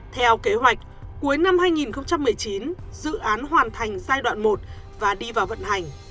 theo kế hoạch cuối năm hai nghìn một mươi chín dự án hoàn thành giai đoạn một và đi vào vận hành